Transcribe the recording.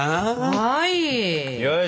はい！